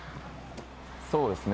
そうですね。